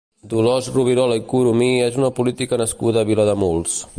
Dolors Rovirola i Coromí és una política nascuda a Vilademuls.